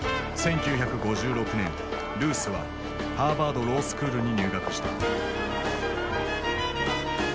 １９５６年ルースはハーバード・ロースクールに入学した。